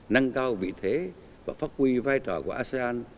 nâng cao vị thế và phát huy vai trò của asean